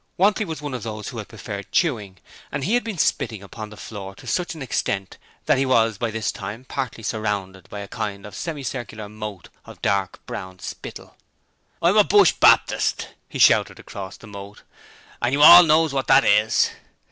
Wantley was one of those who preferred chewing and he had been spitting upon the floor to such an extent that he was by this time partly surrounded by a kind of semicircular moat of dark brown spittle. 'I'm a Bush Baptist!' he shouted across the moat, 'and you all knows wot that is.'